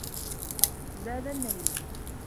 زَادَ النَّيْلُ.